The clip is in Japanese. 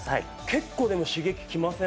結構でも刺激きません？